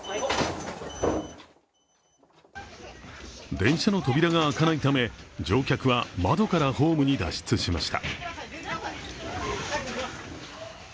電車の扉が開かないため乗客は窓からホームに脱出しました。